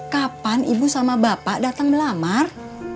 kapan ibu sama bapak datang melamar